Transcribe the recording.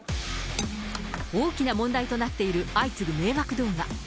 大きな問題となっている相次ぐ迷惑動画。